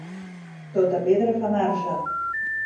Tota pedra fa marge.